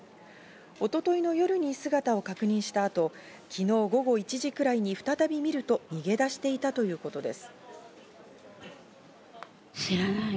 一昨日の夜に姿を確認した後、昨日午後１時くらいに再び見ると逃げ出していたということです。